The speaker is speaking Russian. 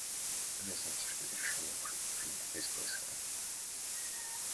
Мы надеемся, что это решение может быть принято без голосования.